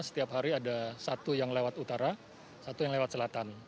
setiap hari ada satu yang lewat utara satu yang lewat selatan